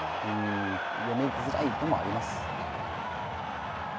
読みづらい部分もあります。